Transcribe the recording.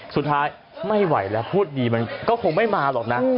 สุดท้ายไม่ไหวแล้วพูดดีมันก็คงไม่มาหรอกนะ